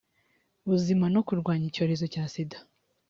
buzima no kurwanya icyorezo cya sida